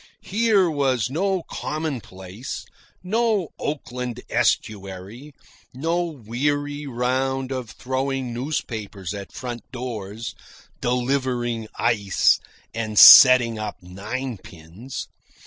Here was no commonplace, no Oakland Estuary, no weary round of throwing newspapers at front doors, delivering ice, and setting up ninepins.